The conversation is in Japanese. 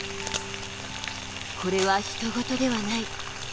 「これはひと事ではない」。